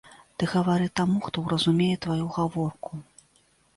Ты гавары таму, хто ўразумее тваю гаворку.